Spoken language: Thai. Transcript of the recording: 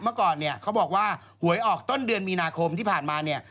เมื่อก่อนเนี่ยเขาบอกว่าหวยออกต้นเดือนมีนาคมที่ผ่านมาเนี่ย